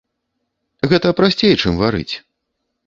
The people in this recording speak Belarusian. Гэта прасцей, чым варыць.